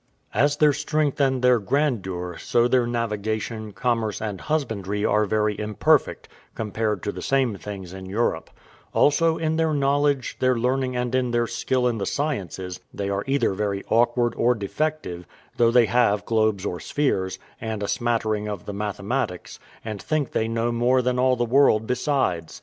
As their strength and their grandeur, so their navigation, commerce, and husbandry are very imperfect, compared to the same things in Europe; also, in their knowledge, their learning, and in their skill in the sciences, they are either very awkward or defective, though they have globes or spheres, and a smattering of the mathematics, and think they know more than all the world besides.